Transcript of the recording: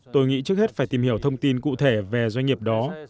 tôi nghĩ trước hết phải tìm hiểu thông tin cụ thể về doanh nghiệp đó